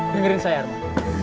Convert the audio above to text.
dengerin saya arman